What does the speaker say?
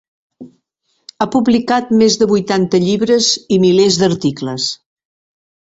Ha publicat més de vuitanta llibres i milers d'articles.